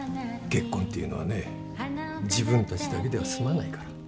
結婚っていうのはね自分たちだけでは済まないから。